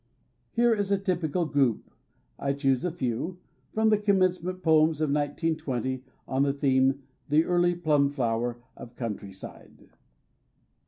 Here is a typical group — I choose a few — from the commence ment poems of 1920 on the theme: "The Early Plum Flower of Country Side".